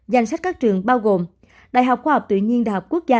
danh sách các trường bao gồm đại học khoa học tự nhiên đại học quốc gia